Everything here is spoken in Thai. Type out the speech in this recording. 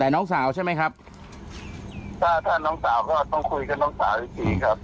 แต่น้องสาวใช่ไหมครับถ้าถ้าน้องสาวก็ต้องคุยกับน้องสาวอีกทีครับ